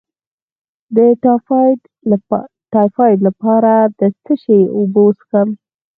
د ټایفایډ لپاره د څه شي اوبه وڅښم؟